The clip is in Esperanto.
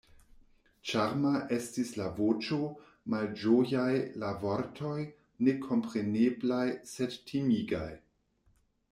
Ĉarma estis la voĉo, malĝojaj la vortoj, nekompreneblaj sed timigaj.